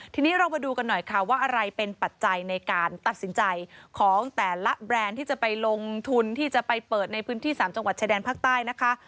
ทีนี้เรามาดูกันหน่อยค่ะว่าอะไรเป็นปัจจัยในการตัดสินใจของแต่ละแบรนด์ที่จะไปลงทุนที่จะไปเปิดในพื้นที่๓จังหวัดชายแดนภาคใต้นะคะ